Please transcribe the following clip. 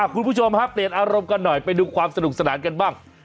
คุณผู้ชมฮะเปลี่ยนอารมณ์กันหน่อยไปดูความสนุกสนานกันบ้าง